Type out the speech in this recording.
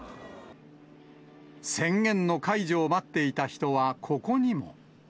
宣言の解除を待っていた人はここにも。